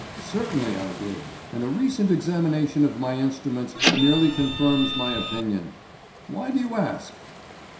"Certainly I did. And a recent examination of my instruments merely confirms my opinion. Why do you ask?"